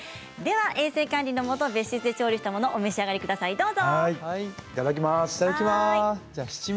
では衛生管理のもと別室で調理したものをお召し上がりください。